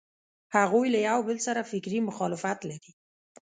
هغوی له یوبل سره فکري مخالفت لري.